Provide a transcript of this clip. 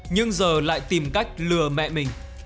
nhưng giờ lại tìm cách lừa mẹ mình